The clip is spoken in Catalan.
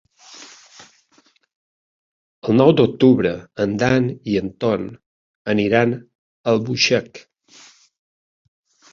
El nou d'octubre en Dan i en Ton aniran a Albuixec.